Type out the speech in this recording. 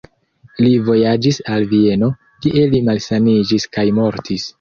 Li vojaĝis al Vieno, kie li malsaniĝis kaj mortis.